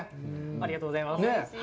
ありがとうございます。